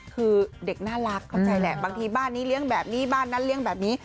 คือเด็กน่ารักบางทีบ้านนี้เลี้ยงบ้านนั้นเลี้ยงแบบนี้